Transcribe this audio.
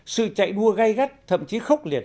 sự chạy đua gây gắt thậm chí khốc liệt